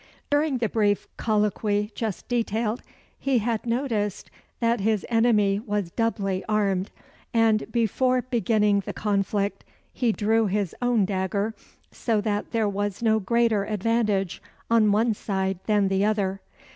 During the brief colloquy just detailed, he had noticed that his enemy was doubly armed, and before beginning the conflict he drew his own dagger, so that there was no greater advantage on one side than the other.